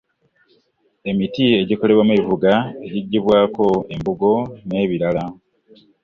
Emiti egikolwamu ebivuga, egiggyibwako embugo n’ebirala.